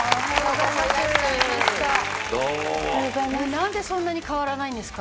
なんでそんなに変わらないんですか？